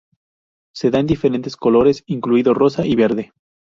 Se da en diferentes colores, incluido rosa y verde.